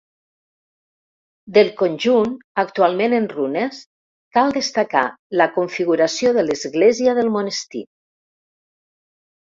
Del conjunt, actualment en runes, cal destacar la configuració de l'església del monestir.